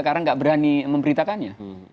karena nggak berani memberitakannya